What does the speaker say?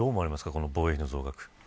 この防衛費の増額。